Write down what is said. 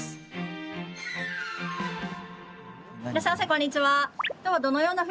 こんにちは。